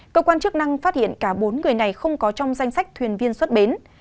cơ quan chức năng phát hiện cả bốn người này không có trong danh sách thuyền viên xuất bến